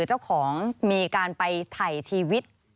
เจ้าของมีการไปถ่ายชีวิต